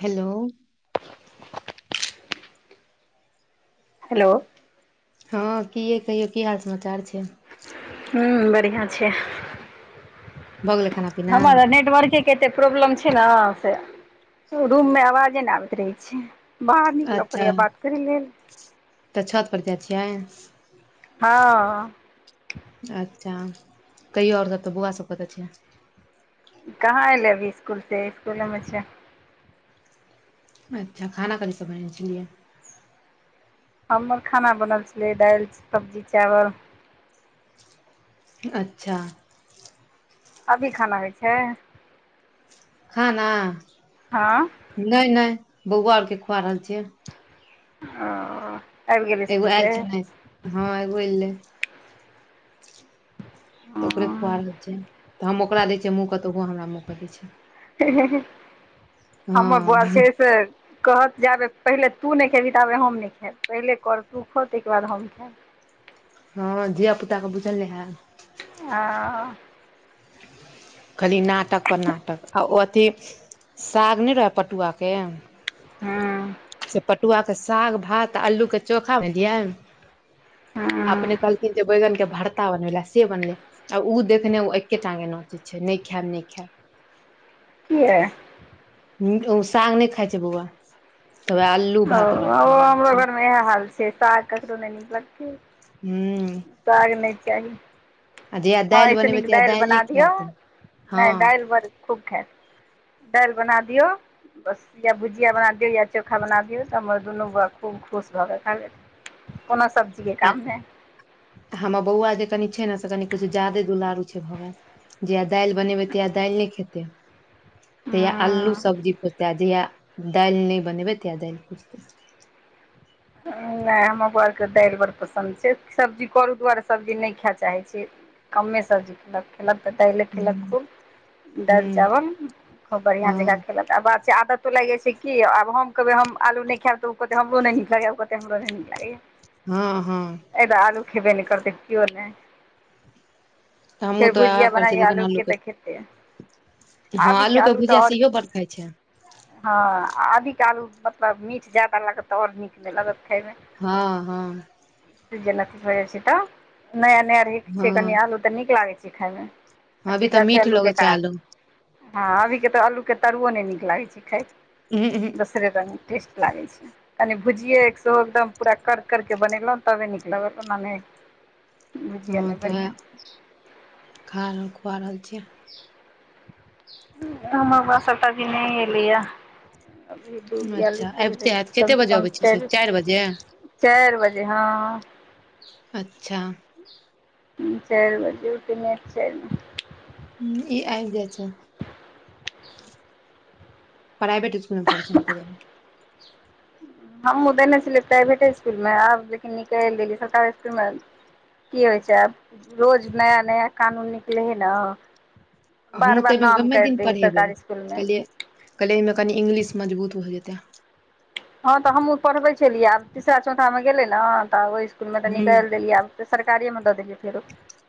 Hello. Hello. हँ कि यै कहियौ की हाल समाचार छै? हूँ बढ़िआ छै, भऽ गेलै खाना पीना हमर त नेटवर्क कते प्रॉब्लम छै न, से रूम मे आवाजे ने आबैत रहै छै। बाहर निकलऽ अच्छा पड़ैय बात करै लेल। तऽ छतपर जाइ छियै? हँ। अच्छा! कहियौ आओर सभ, तऽ बौआ सब कतऽ छै? कहाँ एलै अभी स्कूल से, स्कूल मे छै। अच्छा! खाना कथि सँ बनने छलियै? हमर खाना बनल छलै, दाईल, सब्जी, चावल। अच्छा! अभी खाना होइ छै? खाना। हँ। नय -नय बौआ आर के खुआ रहल छियै। अओ। एगो आयल छले, हँ एगो एलै। तऽ ओकरे खुआ रहल छियै, तऽ हम ओकरा दै छियै मुँहँ क तऽ, ओहो हमरा मुँह के दै छै। हमर बौआ हँ छै से कहत जाबे पहिले तू नहि खेबही, ताबे हम नहि खायब, पहिले कोर तू खो, ताहिके बाद हम खायब। हँ, धिया पुता क बुझल नै है। आउ। खली नाटक पर नाटक, आ ओ अथी साग नहि रेहत पटुआके। हूँ। से पटुआके साग -भात आल्लूके चोखा भेलिये। हँ अपने काहलखीन जे बैगन के भर पत्ता बनबेला से बनलै आ ऊ देखने ओ एके टागे नोचै छै नय खैब, नय खैब। [unintelligible] किए? निक ओ साग नय खाइ छै बौआ। तऽ वएह अल्लू ओ भात ओकरा ओ खुआ रहल हमरो छी घरमे इएह हाल छै, साग ककरो नए नीक लगतै। हू। साग नहि चाही। आ जहिया हँ, दालि एह सँ बनेबै नीक तहिया दाईल दालि नहि बना दियो, खायत हँ नय दाईल बड़ नीक खूब खेयत, दाईल बना दियौ, बस या भुजिया बना दियौ, या चोखा बना दियौ। दिओ तऽ हमर दुनू बौआ खूब खुश भऽकेऽ खा लैत, कोनो सब्जीऐ आ काम नहि। हमर बौआ जे कनि छै ने, से कनि कुछ जादे दुलारू छै भगैल। जेहिया दाईल बनेबै तहिया दाईल नहि खेते। तहिया आलू हँ सब्जी खेतै, जहिया दाईल नहि बनेबै तहिया दाईल खोजते। नए हमर बौवा आरके दाईल बड़ पसन्द छै, सब्जी करू दुआरे सब्जी नेय खायए चाहैत छै। कमे सब्जी खेलक। खेलक तऽ दाईले खेलक ह्म खूब, दाईल चावल खूब बढ़िआं जकाँ हँ खेलक। त बात छै आदतो लाईग जाइ छै की, आब हम कहबेै हम आलू नए खेयब, त ओ कहते हमरो नै नी त ओ कहते हमरो नै नीक लागेऐ। हँ- हँ। ए तऽ आलू खेबे नै करतै केओ नै। तऽ हमहूँ फेर तऽ उएह भुजिया करै छियै बनाइये लेकिन आलू के आलूके तऽ खेतेै। हँ आबी के आलूके आलू तऽ भुजिया आओर सेहो बड की खाइ छै हँ अभिके आलू, मतलब मीठ ज्यादा लागत तऽ आओर नीक नहि लागत खायमे। हँ हँ जेना [unintelligible] छै तऽ नया नया रे छै कनी हँ आलू तऽ नीक लागै छै खायमे अभी अथी तऽ त मीठ छैे आलू लगै छै बेकार। हँ अभीके तऽ अल्लूके तरुओ नहि नीक लागैत छै खाय। ह ह दोसरे रङ्ग टेस्ट लागै छै। बुझिये एक सो एकदम पूरा कर कर के बनेलो तबे नीक लगल, ओना नैय। हँ तऽ उएह खा रह, खुआ रहल छियै। हमर [unintelligible] ब सबटा की नहि एलैया अभी दू बयालीस, अच्छा तैयो त आबिते हैत कते कमसँ बजे कम अबै छियै से चाइरो चारि बजे चारि बजे। हँ अच्छा तीन चारि बजे, नेट चाईर म। ई आइब जाए छै। प्राइबेट इसकुमे पढ़े छै न तै दुआ हमहुँ देने छलियै प्राइभेटे इसकुलमे, आब लेकिन निकलि देलियै सरकारी इसकुलमे की होइ छै आब रोज नया नया कानून निकलै हे ने बार हमहूँ बार ताहिमे नाम कमे कैट दिन दै है पढ़ेबै सरकारी इसकुल मे। कहलियै कहलियै एहिमे कनि इंग्लिश मजबूत भऽ जेतै। हँ तऽ हमहूँ पढ़बैत छलियै, आब तीसरा चौथामे गेलै न, तऽ अब ओहि इसकुलमे तऽ निकालि हूं देलियै आब त सरकारिये मे द देलियै फेरो,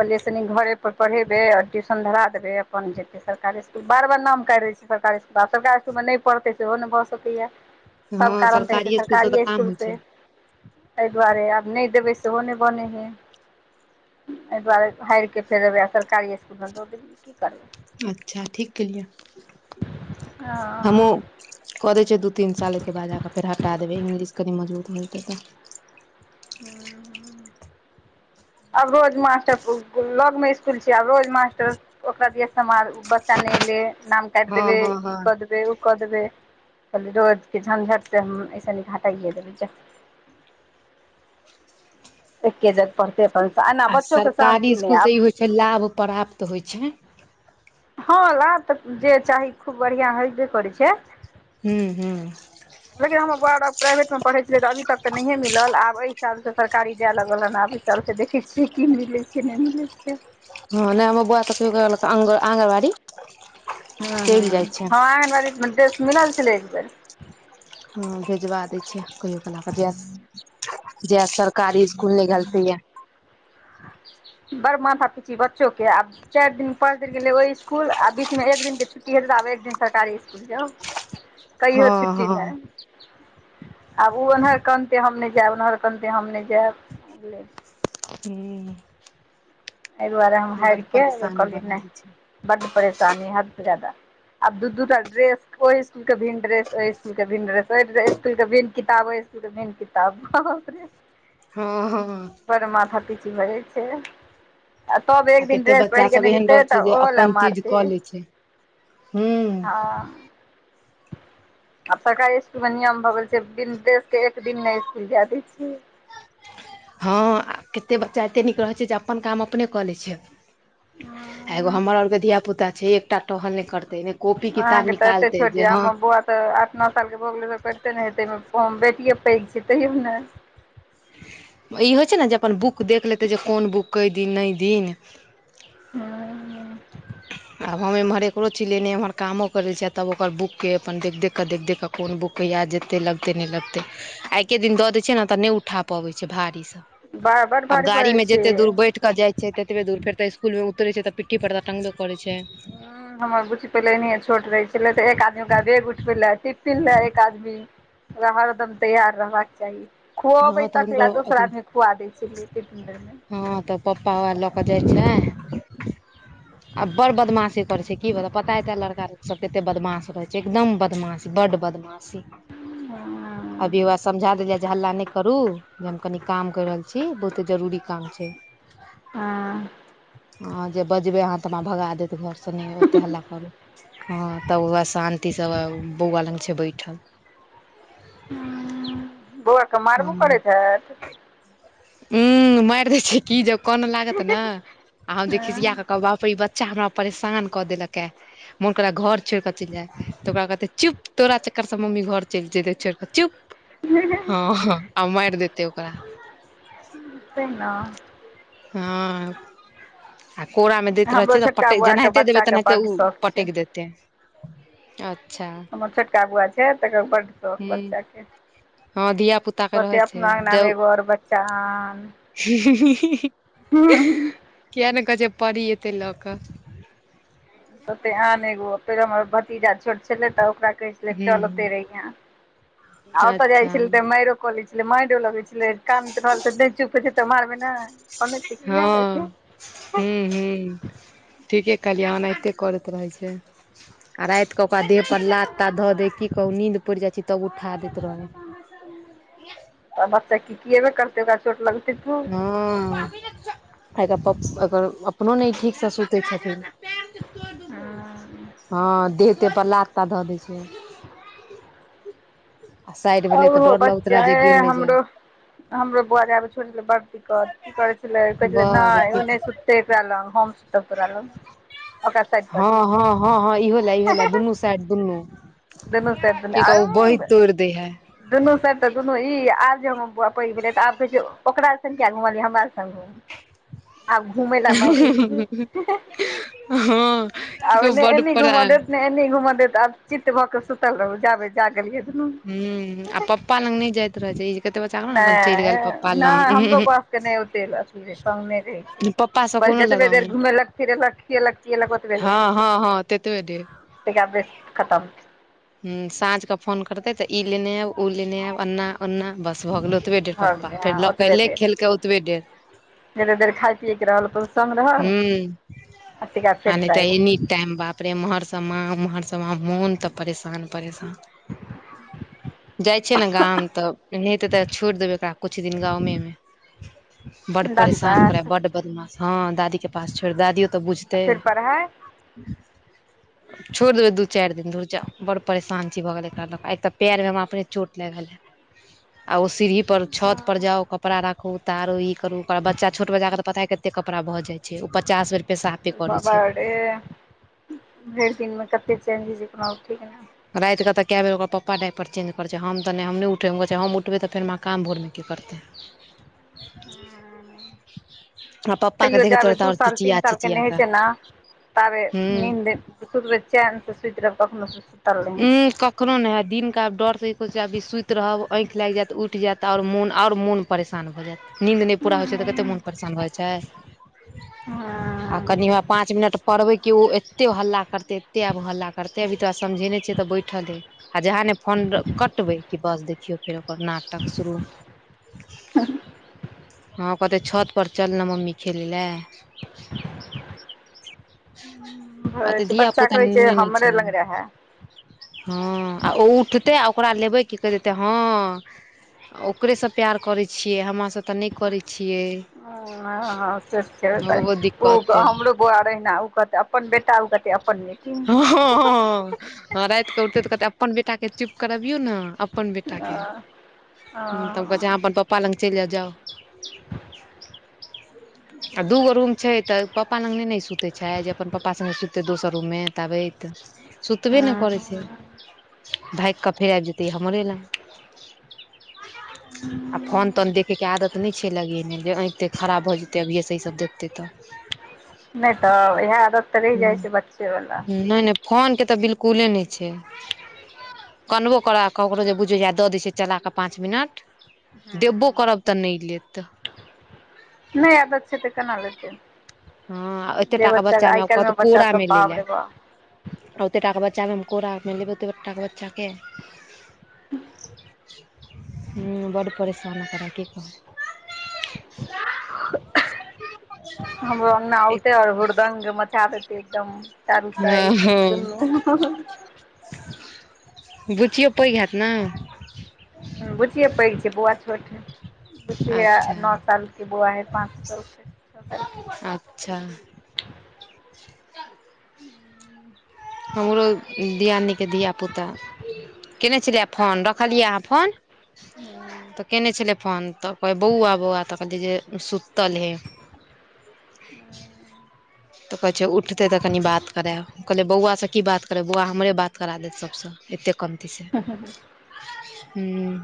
कहलिये अइ स निक घरे पर पढ़ेबे, और ट्यूशन धरा देबे अपन जेते। सरकारी इसकुल, बार बार नाम कैट दै छै सरकारी इसकुल में। आब सरकारी इसकुल में नई पढ़तै, सेहो नहि भऽ सकैए। सब हँ कारण तऽ हेतै सरकारिये स्कुल सब तऽ सरकारए काम इसकुल होइ छै से? एहि दुआरे, आब नहि देबै सेहो नहि बनेै हय। एहि दुआरे स हैर के फेरे एइ बेर सरकारिये इसकुलमे द देलियै, की करबै। अच्छा ठीक केलिए। हमो क दै छियै दू तीन साल के बाद जा कऽ फेर हटा देबै, इंग्लिश कनि मजबूत भ जेतै तऽ। हू आब रोज मास्टर बहु गुल, लग मे इसकुल छै, आब रोज मास्टर ओकर दिया समाद, उ बच्चा नहि एलै, नाम काटि हँ देबै, हँ हँ ई कऽ देबै, ऊ कऽ देबै, कहलियै रोज के झंझट से हम ऐस नीक हम हटाइये देबै जा। एके जत पढ़ते अपन स, एना आ बच्चोक के सरकारी सान्ति नहि स्कुल आब ई होइ से लाभ पराप्त होइ छैन। हँ ला तऽ जे चाही खूब बढ़िआँ हेबे करै छै हू हू लेकिन हमर बउआ आर प्राइवेटमे पढ़ै छलै तऽ अभी तक तऽ नहियए मिलल, आब एहि साल सँ सरकारी जाय लगल हन आब चल क देखै छियै की मिले छै नहि मिले छै। हँ नहि हमर बआ तऽ क कहियो गेल आंग आंगन बाड़ी हँ हँ, हँ आँगनबाड़ीमे ड्रेस मिलल छलै एक बेेर। हँ भेजबा दै छियै, कहियो क ल कऽ द जेया सरकारी स्कूल नै गेल तईया। बर माथा पीची बच्चो के आब चारि दिन पढ़ देल गेलै ओहि स्सकुल आ बीच मे एक दिन के छुट्टी हेत आ एक दिन सरकारी स्कुल जा हँ कहियो छुटी हँ नहि। आब ओ ओमहर कनते हम नहि जायब ओयहर कनिते हम नहि जायब हुं। एहि दुआरे हम हारि के कहलियै दै छै नहि बड परेशानी हद से जादा आब दू दूटा ड्रेस ओहि स्कुल के भिन्न ड्रेस ओहि स्कुल के भिन् ड्रेस स्कुल के भिन् किताब ओकर भिन किताब बाप रे हँ हँ। पर माथा-पीची भऽ जै छै। तब एक आ दिन केते ड्रेस पहिर बच्चा के सब नहि एहेन जेतै रहै तऽ छै जे ओहो लए अपन चीज मारतै कऽ लै छै। हूँ। हँ आब सरकारी स्कूल में नियम भऽ गेल छै बिन ड्रेस के एक दिन नै स्कूल जै दै छै। हँ आ केते बच्चा एते नीक रहै छै जे अपन काम अपने कऽ लै छै। एगो हमर और के धियापुता छै एकटा टहल नै करतै। अहाँके तऽ एते छोट या हमर बौआ तऽ आठ नऽ साल के भऽ गेलै तऽ पैढ़ते नै हेतै ओइमे बेटिए पैघ छै तैयो नै ई होइ छै न जे अपन बुक देख लेतै जे कोन बुक अय दिन नै दिन हँ-हँ। आब हम एमहर एकरो चीलेने इम्हर कामो करै छियै तब ओकर बुक के अपन देख-देख कऽ देख-देख कऽ कोन बुक कहिया जेतै लगतै नै लगतै आइके दिन दऽ दै छियै न तऽ नै उठा पबै छै भारी स बड़ बड आब भारी गाड़ी पड़ै में छै। जेतै दूर बैठ कऽ जै छै तेतबे दूर फेर तऽ इस्कूल उतरै छैऽ तऽ पिट्टी पर तऽ टंगबो करै छै। हं। हमर बुच्ची पहिले एनैहें छोट रहै छलै तऽ एक आदमी ओकर बेग उठबै लै टिप्पिन लै एक आदमी ओकरा हरदम तैयार रहबाक चाही। खुअबै हँ तऽ तक हुनकर लए दोसर अथी आदमी खुआ दै छेलियै टिप्पिन बेर में हँ तऽ पप्पा आर लऽ कऽ जाइ छै आब बड़ बदमाशी करै छै कि बताऊ पता ऐ तैंय लड़का सब केते बदमास रहै छै एकदम बदमास बड बदमास। सी अभी हौआ समझा देलियै जे हल्ला नै करू जे हम कनि काम कै रहल छी बहुते जरूरी काम छै हाँ। हँ जे बजबै अहाँ तऽ हमरा भगा देत घरसँ नै ओते हल्ला करू हँ। तब हौआ शान्तिसँ ब-ब बौआ लग छै बैठल। हं, बौआ के मारबो करैत हैत। उम्म माइर दै छै की, जब कानऽ लागत ने आ हम जे खिसिया कऽ कहबै बा प रे ई बच्चा हमरा परेशान कऽ देलके मोन करैया घर छोइड़ कऽ चइल जाइ तऽ ओकरा कहतै चुप, तोरा चकर सँ मम्मी घर चइल जेतै छोइड़ कऽ चुप। हँ ह आर मैर देतै ओकरा। तै नऽ। हँ। आ कोरा में दैत रहै हमरो छियै तऽ छोटका पटैक, बौआके जेनाहिते देबै बच्चाके तनाहिते बड्ड उ शौक छै पटैक देतै। अच्छा हमर छोटका बौआ छै तकरा बड शौक छै हूँ बच्चा के हँ धिया पुता के रहै कहतै छै अपना अंगना में जब एगो और बच्चा आन [unintelligible] कहतै किया नै कहै छै परी एतै लऽ कऽ। कहतै आन एगो, फेर हमर भतीजा छोट छेलै तऽ ओकरा कहै छेलै, हूँ चल ओतई हूँ रहियैं, आ ओतऽ जाइ अच्छा छेलै तऽ मैरो कऽ लै छेलै, मैरो लगै छै। छेलै कानेतऽ रहल तऽ नै चुप होय छै तऽ मारबै नै, कनै छै किया एत्ते? हूँ-हूँ ठीके कहलियै, एनाहिते करैत रहै छै। आ राइत कऽ ओकरा देह पर लात-तात धऽ दै, की कहू नीन्द पइड़ जाइ छै तब उठा दैत रहैए हैँ। तऽ बच्चा कीकएबे करतै ओकरा चोट लगतै त। हूँ। आ एकर पप्स, एकर अपनो नै ई ठीकसँ सुतै छथिन। हँ हँ देह-तेह पर लात-तात धऽ दै छै। साइड आ भेलै तऽ उहो डर लगैत रहै बच्चा जे गिर ऐ नहि जाय हमरो हमरो बौआ जाबे छोट छलै बड़ दिक्कत, की करै छलै, कहै छलै नहि बड़ ओ नहि सुत तै एकरा लग, हम सुतब तोरा लग। ओकरा साइड कऽ दही हँ- हँ- हँ -हँ इहो लए, इहो लए, दुनू साइड दुनू। दुनू साइड दुनू की कहू आ बहि तोड़ि दै है। दुनू साइड तऽ दुनू ई, आब जे हमर बौआ पैघ भेलै तऽ आब कहै छै ओकरा दिसन किया घुमलियै हमरा दिसन घुम। [unintelligible] आब घुमै लए मारै होइ छै, हँ की आब कहू एने बड एनी परा घुमा देत नहि घुमऽ देत आब चित भऽ क सुतल रहू, जाबे जागलयै दुनू। हूँ, आ पप्पा लंग नहि जायत छै ई। कते बच्चा के ने अपन चलि नहि गेल पप्पा -नहि हमरो लग बस के नहि ओते अथी तहने रहै छै। पप्पा से बस कोनो जतबे लगाव देर नहि घुमेलक, फिरेलक, खियेलक, पियेलक, ओतबे देर। हँ हँ हँ ततबे देर तहिया अपने [unintelligible] खतम हुँ, साँझ कऽ फोन करतै तऽ ई लेने आयब, ओ लेने आयब, अन्ना ओन्ना, बस भऽ गेलै ओतबे देर भऽ पप्पा, गेलै हँ फेर लऽ ओतबे एले देर खेलकै ओतबे देर। जते देर खाय पियए के रहल, ओते संग रहल। हू। तहिया आ फेर नहि तऽ साइड एनी टाइम बापरे, एम्हरसँ माँ। ओम्हरसँ माँ मोन तऽ परेशान -परेशान। [unintelligible] जाइ छियै ने गाम तऽ नइ हेतै तऽ छोड़ि देबै एकरा कुछ दिन गामेमे। बड दादी परेशान करे ह, पास बड आ बदमाश, हँ दादी के पास छोड़ दादियो तऽ बुझ तै, फेर पढ़ाइ छोड़ि देबै दू चारि दिन धूर जाउ! बड़ परेशान छी भऽ गेल छी हम एकरा ल क, आइ तऽ पैरमे हमरा अपने चोट लागि गेऽल हे। [inaudible] आ ओ सीढ़ी पर छतपर जाउ, कपड़ा राखू, उतारू, ई करू, ओ करू, बच्चा छोट बच्चाके तऽ पता कते कपड़ा भऽ जाइ छै, ओ पचास बेर पेशाबे करै बबा छै डे, भरि दिनमे कते चेंजी जेका उठइयै। रातिकेँ त कए बेर ओकर पप्पा डाइपर चेंज करै छै, हम तऽ नहि हम नहि उठैमे, कहै छै हम उठबै तऽ फेर हमाँ काम भोरमे के करतै। हँ। आ पप्पा के तैयो देखैत जाबे रहतै दू आओर साल, तीन चिचिया साल के चिचिया नहे होइ कऽ छै ने, ताबे हूँ नीन्द सुतबै चैनसँ सुति रहब, कखनो सुतल नहि होइ उं छै। कखनो नहि होय, दिनक आब डरसँ एको छै आबी सुति रहब, आँखि लागि जायत, उठि जात, आओर मो आओर मोन परेशान भऽ जैत। नींन्द नहि पूरा होइ छै, तऽ कते मोन परेशान भऽ जाइ छै। आ कनि होइ होवए पांच मिनट परबै, कि ओ एते हल्ला करते एते आब ओ हल्ला तते भी तोरा समझेने छियै तऽ बैठले हे। आ जहाँ ने फोन कटबै, कि बस देखियौ फेर ओकर नाटक शुरू। ह [inaudible] हँ कहतै छत पर चल ने मम्मी खेलै लए। अतऽ छै धिया बच्चा पुता कहै छै नै ने हमरे छै। लग रहै हँ आ ओ उठतै आ ओकरा लेबै की कहि देतै हँ। ओकरेसँ प्यार करै छियै हमरा सँ तऽ नहि करै छियै। ह- ह से तऽ छेबे करै, ओहो ओ दिक्कत अइ हमरो बौआ रहै अहिना ओ कहतै अपन बे टा ओ कहतै अपन बेटी। हँ हँ हँ राति कऽ उठते तऽ कहते अपन बेटाके चुप करबियौ ने। अपन बेटाके तब कहै छीयै, तब कहै छीयै अहाँ अपन पप्पा लग चलि जाउ- जाउ। आ दूगो रूम छै तऽ पापा लग नहि ने ई सु तै छैइ जे अपन प पप्पा संगे सुते दोसर रूम मे ताबैत सुतबे ने करे छै भागि क फेर आबि जेते हमरे लंग और फोन तोन देख। के आदत नहि छै, लगेनेइ जे अंख- तैंख खराब भऽ जेतै अभिएसे ई सभ देखतै तऽ। नहि तऽ इएह आदत तऽ रहि जाइ छै, बच्चे वला नहि नहि फोन के तऽ बिल्कुले नहि छै। कनबो करा ककरो जे बुझै ह दऽ दैय छियै चला कऽ पाँच मिनट। देबो करब तऽ नहि लेत। नै आदत छै, तऽ कना लेते। हाॅं एतेटाके बच्चा में काल्हिमे कहत बच्चा सब कोड़ामे लै बाप ले। रे बाप ओतेटाके बच्चाके हम कोड़ा मे लेबै ओतेकटाके बच्चाके। हूॅं, बड़ परेशान करा की कहू। हमरो अंगना औते और हुर्द्ंग मचा देते एकदम। चारू साइड दुनू। बुचियो पैघ हैत ने। हाॅं बुचिए पैघ छै, बौआ छोठ है। बुचि है अच्छा नौ के साल के बौआ है, पाँच साल के छओ सालके। अच्छा! ह हमरो दियादनीके धियापुता केयने छलियै, फोन रखलियै अहाँ फोन। हूँ तऽ केने छलै फोन तऽ कह बौआ-बौआ तऽ कहलिये जे सुतल हे। तऽ कहै छै उठतै तऽ कनि बात करायब, कहलिये बौआसे की बात करब, बौआ हमरे बात करा देत सभसे। एतेक कनति से, हूॅं।